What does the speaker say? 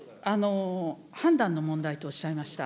判断の問題とおっしゃいました。